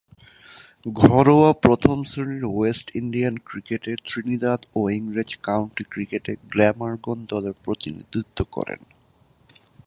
ঘরোয়া প্রথম-শ্রেণীর West Indian ক্রিকেটে ত্রিনিদাদ ও ইংরেজ কাউন্টি ক্রিকেটে গ্ল্যামারগন দলের প্রতিনিধিত্ব করেন।